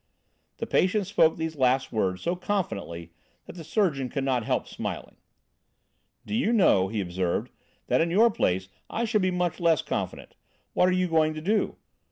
The patient spoke these last words so confidently that the surgeon could not help smiling. "Do you know," he observed, "that in your place I should be much less confident. What are you going to do?